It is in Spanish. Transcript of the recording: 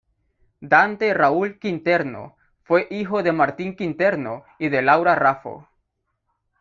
Dante Raúl Quinterno, fue hijo de Martín Quinterno y de Laura Raffo.